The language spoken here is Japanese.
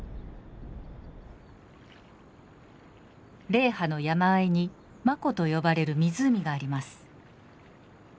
雷波の山あいに馬湖と呼ばれる湖があります。